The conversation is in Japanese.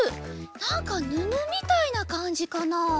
なんかぬのみたいなかんじかな？